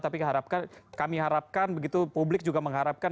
tapi kami harapkan begitu publik juga mengharapkan